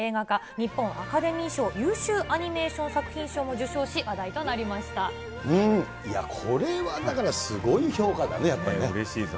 日本アカデミー賞優秀アニメーション作品賞も受賞し、話題となりいや、これはだからすごい評うれしいです。